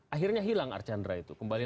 akhirnya hilang archandra itu kembali